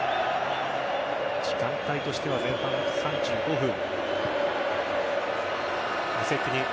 時間帯としては前半３５分。